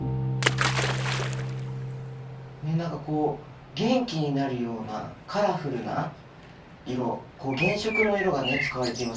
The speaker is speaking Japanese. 何かこう元気になるようなカラフルな色原色の色がね使われていますよね。